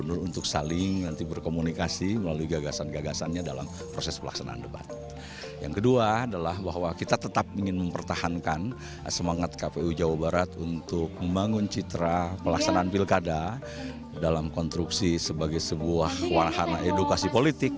untuk membangun citra pelaksanaan pilkada dalam konstruksi sebagai sebuah warhana edukasi politik